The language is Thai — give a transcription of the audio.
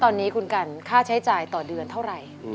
ตอนนี้คุณกันค่าใช้จ่ายต่อเดือนเท่าไหร่